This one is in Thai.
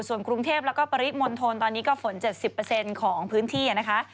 ส่วนกรุงเทพแล้วก็ปริมณฑลตอนนี้ก็ฝน๗๐ของพื้นที่นะคะ